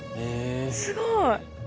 すごい。